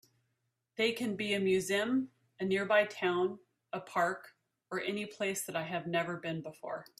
They can be a museum, a nearby town, a park, or any place that I have never been before.